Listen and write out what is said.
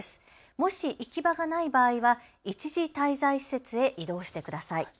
もし行き場がない場合は一時滞在施設へ移動してください。